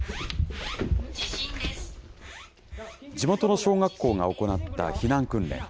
地元の小学校が行った避難訓練。